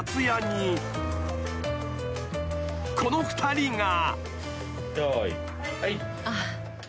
［この２人が］